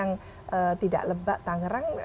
provinsi banten itu yang tidak lebak tangerang